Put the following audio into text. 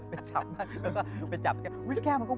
พี่ยังไม่ได้เลิกแต่พี่ยังไม่ได้เลิก